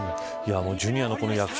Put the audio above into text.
ジュニアの躍進